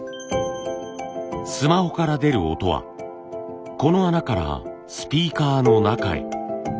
スマホから出る音はこの穴からスピーカーの中へ。